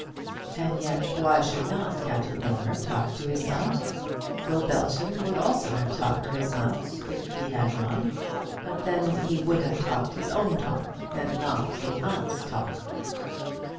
And yet why should not Captain Aylmer talk to his aunt? Will Belton would also have talked to his aunt if he had one, but then he would have talked his own talk, and not his aunt's talk.